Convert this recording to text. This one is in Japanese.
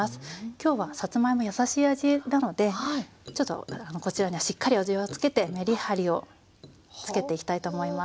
今日はさつまいもやさしい味なのでちょっとこちらにはしっかり味を付けてめりはりをつけていきたいと思います。